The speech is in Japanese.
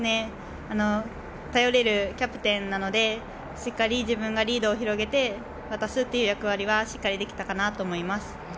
頼れるキャプテンなので、しっかり自分がリードを広げて渡すという役割はしっかりできたかなと思います。